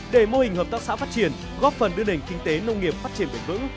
để mô hình hợp tác xã phát triển góp phần đưa nền kinh tế nông nghiệp phát triển bền vững